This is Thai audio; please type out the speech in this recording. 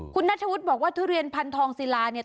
คุณนัทวุฒิบอกว่าทุเรียนพันธองศิลาเนี่ย